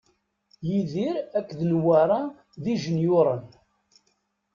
Yidir akked Newwara d ijenyuren.